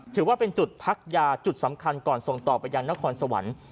ถือว่าเป็นจุดพักยาจุดสำคัญก่อนส่งต่อไปยังนครสวรรค์